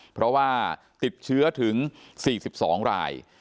เพราะว่าติดเชื้อถึง๔๒ราย